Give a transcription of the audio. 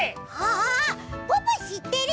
あポッポしってるよ。